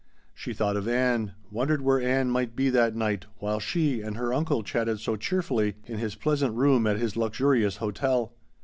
She thought of Ann wondered where Ann might be that night while she and her uncle chatted so cheerfully in his pleasant room at his luxurious hotel.